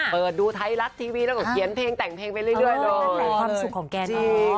เปิดดูไทรัตท์ทีวีแล้วก็เขียนเพลงแต่งเพลงไปเรื่อย